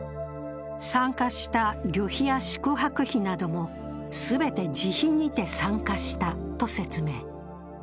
参加した旅費や宿泊費なども全て自費にて参加したと説明。